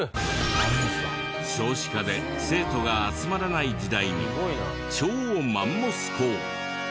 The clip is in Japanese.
少子化で生徒が集まらない時代に超マンモス校。